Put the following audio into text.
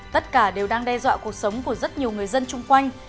tất cả đều đang đe dọa cuộc sống của rất nhiều người dân chung quanh